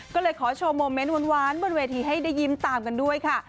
ก็เลยขอโชว์โมเมนต์หวานบนเวทีให้ได้ยิ้มตามกันด้วยค่ะ